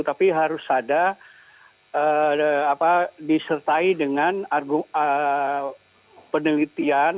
tapi harus ada disertai dengan penelitian